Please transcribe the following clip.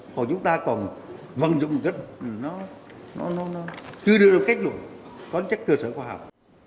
còn chúng ta còn vận dụng kết nó chưa đưa được kết luận có chất cơ sở khoa học